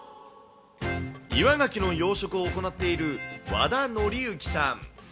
岩ガキの養殖を行っている和田憲幸さん。